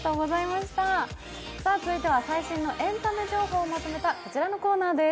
続いては最新のエンタメ情報をまとめたこちらのコーナーです。